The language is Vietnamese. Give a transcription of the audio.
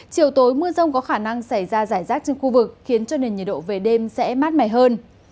chiều tối mưa rông có khả năng xảy ra giải rác trên khu vực khiến cho nền nhiệt độ về đêm sẽ mát mẻ hơn